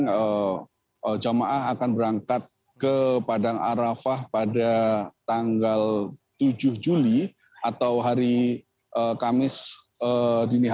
jadi jamaah akan berangkat ke padang arafah pada tanggal tujuh juli atau hari kamis dinihani